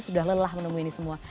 sudah lelah menemui ini semua